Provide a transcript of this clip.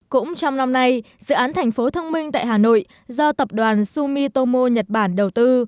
cũng trong năm nay dự án thành phố thông minh tại hà nội do tập đoàn sumitomo nhật bản đầu tư